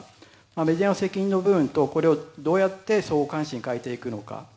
メディアの責任の分と、これをどうやって相互監視に変えていくのか。